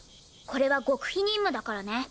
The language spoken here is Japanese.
これは極秘任務だからね。